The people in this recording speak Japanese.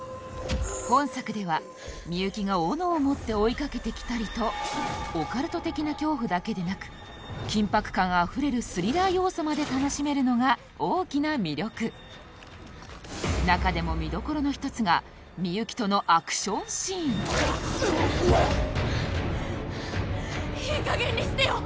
本作では美雪が斧を持って追いかけてきたりとオカルト的な恐怖だけでなく緊迫感あふれるスリラー要素まで楽しめるのが大きな魅力中でも見どころの一つがいい加減にしてよ